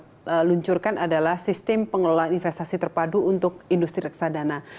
salah satu yang terbaru kita luncurkan adalah sistem pengelolaan investasi terpadu untuk industri reksadana